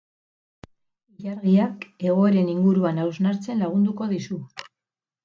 Ilargiak egoeren inguruan hausnartzen lagunduko dizu.